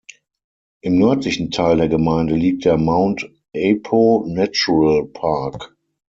Im nördlichen Teil der Gemeinde liegt der Mount Apo Natural Park.